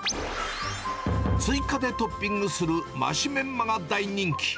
追加でトッピングする増しメンマが大人気。